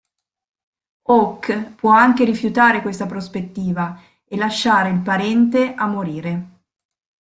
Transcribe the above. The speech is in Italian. Hawke può anche rifiutare questa prospettiva e lasciare il parente a morire.